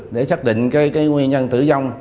để xác định cái nguyên nhân tử vong